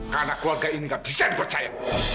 karena keluarga ini gak bisa dipercaya